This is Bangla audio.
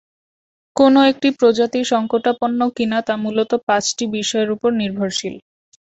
কোন একটি প্রজাতি সংকটাপন্ন কিনা তা মূলত পাঁচটি বিষয়ের উপর নির্ভরশীল।